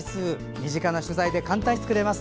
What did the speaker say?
身近な食材で簡単に作れます。